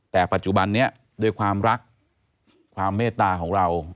แต่ปัจจุบันนี้ด้วยความรักความเมตตาของเรา